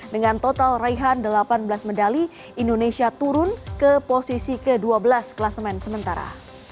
dengan total raihan delapan belas medali indonesia turun ke posisi ke dua belas kelas main sementara